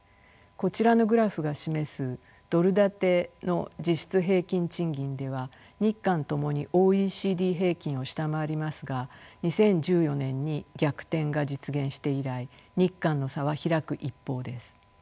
こちらのグラフが示すドル建ての実質平均賃金では日韓共にＯＥＣＤ平均を下回りますが２０１４年に逆転が実現して以来日韓の差は開く一方です。